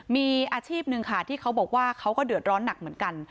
มีอาชีพหนึ่งค่ะที่เขาบอกว่าเขาก็เดือดร้อนหนักเหมือนกัน